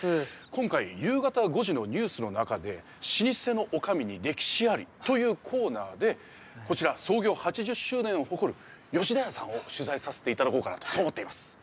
今回夕方５時のニュースの中で「老舗の女将に歴史あり」というコーナーでこちら創業８０周年を誇るよしだやさんを取材させていただこうかなとそう思ってます